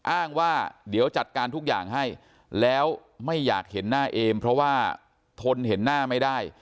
อ้างว่าเดี๋ยวจัดการทุกอย่างให้แล้วไม่อยากเห็นหน้าเอมเพราะว่าทนเห็นหน้าไม่ได้